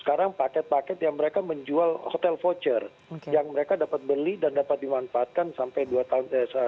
sekarang paket paket yang mereka menjual hotel voucher yang mereka dapat beli dan dapat dimanfaatkan sampai dua tahun